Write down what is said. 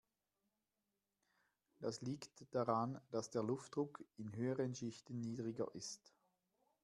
Das liegt daran, dass der Luftdruck in höheren Schichten niedriger ist.